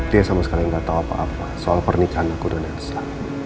dia sama sekali nggak tahu apa apa soal pernikahan aku dan yang islam